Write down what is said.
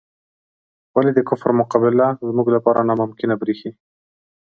ولې د کفر مقابله زموږ لپاره ناممکنه بریښي؟